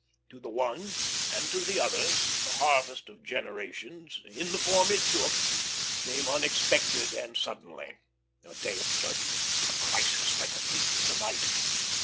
To the ones and to the others the harvest of generations, in the form it took, came unexpected and suddenly a day of judgment, a crisis, like a thief in the night.